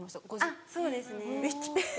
あっそうですね。